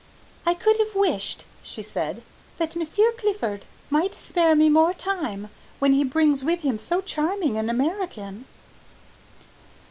"I could have wished," she said, "that Monsieur Clifford might spare me more time when he brings with him so charming an American."